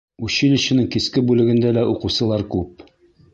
Училищеның киске бүлегендә лә уҡыусылар күп.